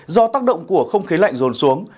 do tác động của không khí lạnh rồn xuống